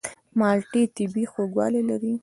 مالټې طبیعي خوږوالی لري.